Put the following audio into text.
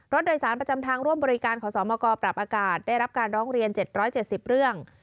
โดยสารประจำทางร่วมบริการขอสมกปรับอากาศได้รับการร้องเรียน๗๗๐เรื่อง